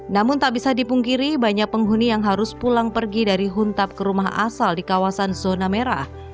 namun tak bisa dipungkiri banyak penghuni yang harus pulang pergi dari huntap ke rumah asal di kawasan zona merah